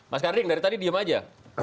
mas karding dari tadi diem aja